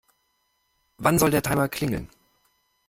Wann soll der Timer klingeln?